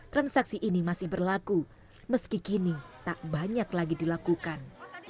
transaksi ini masih berlaku meski kini tak banyak lagi dilakukan